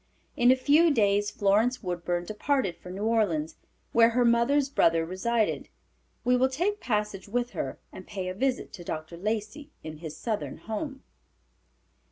In a few days Florence Woodburn departed for New Orleans, where her mother's brother resided. We will take passage with her and pay a visit to Dr. Lacey in his Southern home.